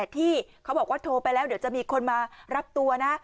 ที่เขาบอกว่าโทรไปแล้วเดี๋ยวจะมีคนมารับตัวนะ